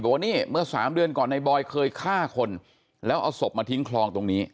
บอกว่านี่เมื่อ๓เดือนก่อนในบอยเคยฆ่าคนแล้วเอาศพมาทิ้งคลองตรงนี้